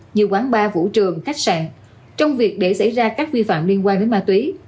như quán bar vũ trường khách sạn trong việc để xảy ra các vi phạm liên quan đến ma túy